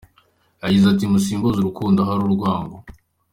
Yagize ati “Musimbuze urukundo ahari urwango.